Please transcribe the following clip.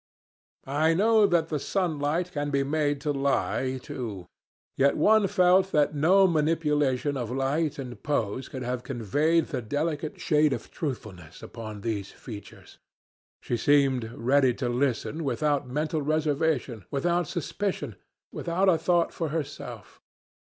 I know that the sunlight can be made to lie too, yet one felt that no manipulation of light and pose could have conveyed the delicate shade of truthfulness upon those features. She seemed ready to listen without mental reservation, without suspicion, without a thought for herself.